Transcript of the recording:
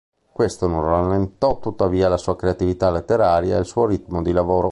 Questo non rallentò tuttavia la sua creatività letteraria e il suo ritmo di lavoro.